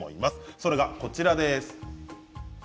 それが、こちらです。